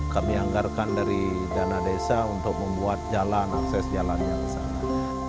kami anggarkan dari dana desa untuk membuat jalan akses jalan yang sama